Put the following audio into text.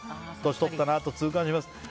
年取ったなと痛感します。